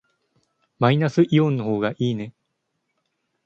マイナスイオンの方がいいね。